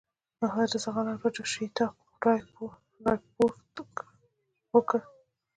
محمدرضاخان او راجا شیتاب رای رپوټ ورکړ.